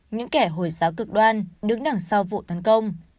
những kẻ hồi giáo cực đoan đứng đằng sau vụ tấn công